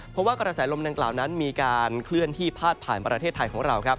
เพราะว่ากระแสลมดังกล่าวนั้นมีการเคลื่อนที่พาดผ่านประเทศไทยของเราครับ